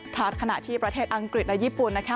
ขณะที่ประเทศอังกฤษและญี่ปุ่นนะคะ